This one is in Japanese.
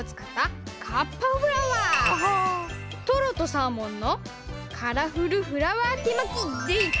トロとサーモンのカラフルフラワーてまきでい！